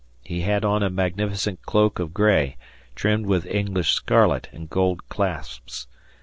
He had on a magnificent cloak of gray, trimmed with English scarlet and gold clasps.